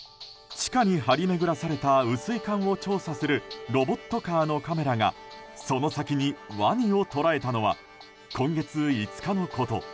地下に張り巡らされた雨水管を調査するロボットカーのカメラがその先にワニを捉えたのは今月５日のこと。